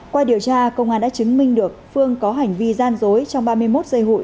qua điều tra công an đã chứng minh được phương có hành vi gian dối trong ba mươi một giây hụi